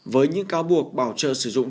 với những cáo buộc bảo trợ sử dụng